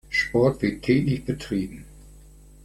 Sport wird täglich betrieben.